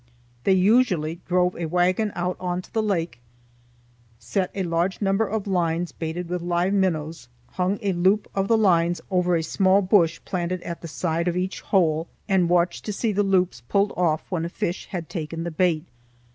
They usually drove a wagon out on the lake, set a large number of lines baited with live minnows, hung a loop of the lines over a small bush planted at the side of each hole, and watched to see the loops pulled off when a fish had taken the bait.